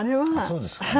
そうですかね？